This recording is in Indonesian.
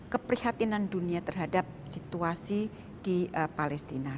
keprihatinan dunia terhadap situasi di luar negeri